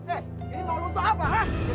ini mau untuk apa